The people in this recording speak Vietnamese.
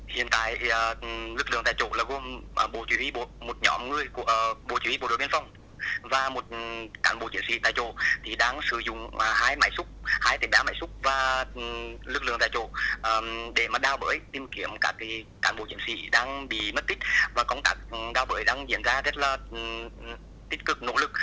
hiện tại lực lượng tại chỗ là gồm một nhóm người của bộ chỉ huy bộ đội biên phòng và một cán bộ chiến sĩ tại chỗ thì đang sử dụng hai máy xúc hai tỉnh đá máy xúc và lực lượng tại chỗ để mà đao bởi tìm kiếm các cán bộ chiến sĩ đang bị mất tích và công tác đao bởi đang diễn ra rất là tích cực nỗ lực